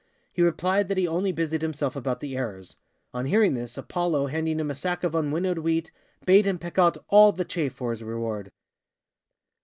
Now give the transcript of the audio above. He replied that he only busied himself about the errors. On hearing this, Apollo, handing him a sack of unwinnowed wheat, bade him pick out _all the chaff _for his reward.